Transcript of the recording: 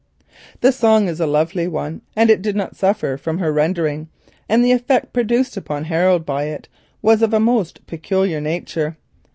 The song is a lovely one, nor did it suffer from her rendering, and the effect it produced upon Harold was of a most peculiar nature.